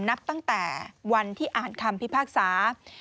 นับตั้งแต่วันที่อ่านคำพิพากษา